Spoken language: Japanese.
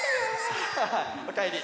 おかえり。